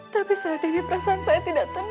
tapi saat ini perasaan saya tidak tenang